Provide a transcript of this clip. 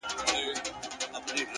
ژوند د فکر انعکاس دی.